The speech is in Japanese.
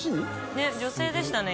ねぇ女性でしたね